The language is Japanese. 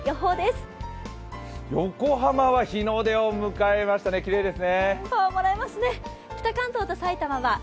横浜は日の出を迎えました、きれいですね。